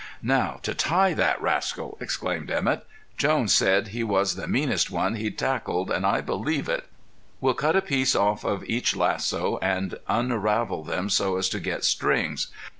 "Now to tie that rascal!" exclaimed Emett. "Jones said he was the meanest one he'd tackled, and I believe it. We'll cut a piece off of each lasso, and unravel them so as to get strings.